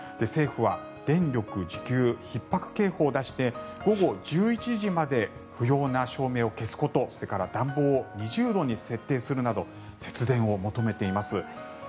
政府は電力需給ひっ迫警報を出して午後１１時まで不要な照明を消すことそれから暖房を２０度に設定するなど節電を求めています。